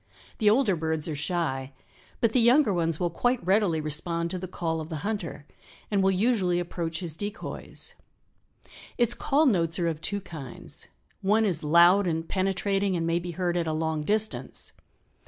The older birds are shy, but the younger ones will quite readily respond to the call of the hunter and will usually approach his decoys. Its call notes are of two kinds. One is loud and penetrating and may be heard at a long distance.